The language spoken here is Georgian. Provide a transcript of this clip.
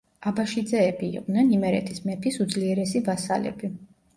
აბაშიძეები იყვნენ იმერეთის მეფის უძლიერესი ვასალები.